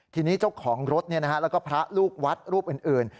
ทีนี้เจ้าของรถแล้วก็พระลูกวัดรูปอื่น